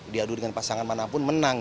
diadu dengan pasangan manapun menang